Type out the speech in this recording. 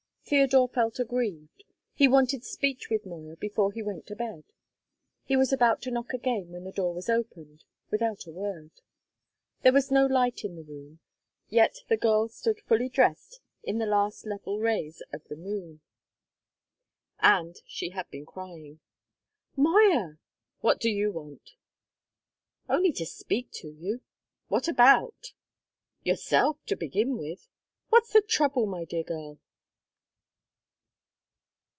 Theodore felt aggrieved; he wanted speech with Moya before he went to bed. He was about to knock again when the door was opened without a word. There was no light in the room. Yet the girl stood fully dressed in the last level rays of the moon. And she had been crying. "Moya!" "What do you want?" "Only to speak to you." "What about?" "Yourself, to begin with. What's the trouble, my dear girl?"